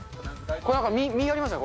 これなんか、実ありますよ。